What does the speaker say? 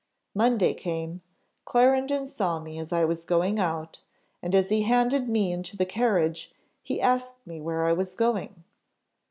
Monday came, Clarendon saw me as I was going out, and, as he handed me into the carriage, he asked me where I was going.